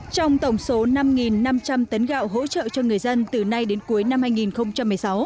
trong tổng số năm năm trăm linh tấn gạo hỗ trợ cho người dân từ nay đến cuối năm hai nghìn một mươi sáu